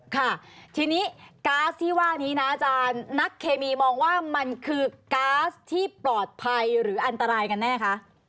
ค่ะทีนี้ก๊าซที่ว่านี้นะอาจารย์นักเคมีมองว่ามันคือก๊าซที่ปลอดภัยหรืออันตรายกันแน่คะ